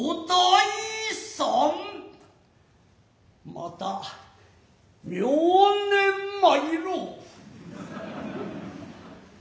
また明年参らう。